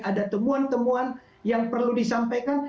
ada temuan temuan yang perlu disampaikan